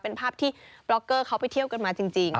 เป็นภาพที่บล็อกเกอร์เขาไปเที่ยวกันมาจริง